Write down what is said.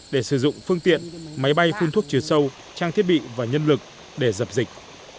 để sử dụng phương tiện máy bay phun thuốc trừ sâu trang thiết bị và nhân lực để dập dịch